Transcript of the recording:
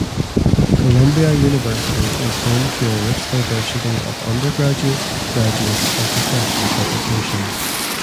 Columbia University is home to a rich diversity of undergraduate, graduate, and professional publications.